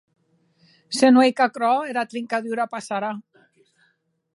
Se non ei qu’aquerò, era trincadura passarà.